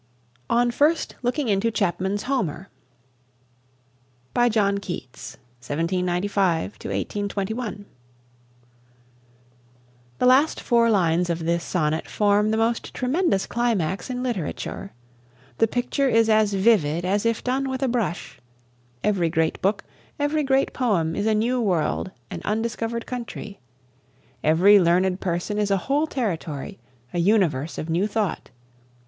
ON FIRST LOOKING INTO CHAPMAN'S "HOMER." "On First Looking Into Chapman's 'Homer,'" by John Keats (1795 1821). The last four lines of this sonnet form the most tremendous climax in literature. The picture is as vivid as if done with a brush. Every great book, every great poem is a new world, an undiscovered country. Every learned person is a whole territory, a universe of new thought.